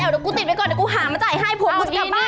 เดี๋ยวกูติดไว้ก่อนเดี๋ยวกูหามาจ่ายให้ผม